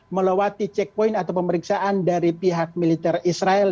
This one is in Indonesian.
melewati checkpoint atau pemeriksaan dari pihak militer israel